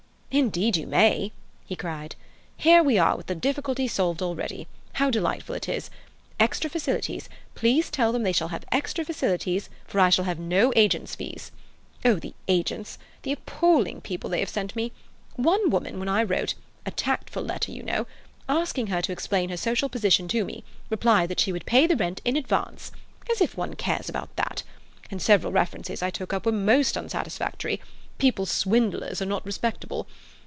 "Indeed you may!" he cried. "Here we are with the difficulty solved already. How delightful it is! Extra facilities—please tell them they shall have extra facilities, for I shall have no agents' fees. Oh, the agents! The appalling people they have sent me! One woman, when I wrote—a tactful letter, you know—asking her to explain her social position to me, replied that she would pay the rent in advance. As if one cares about that! And several references I took up were most unsatisfactory—people swindlers, or not respectable.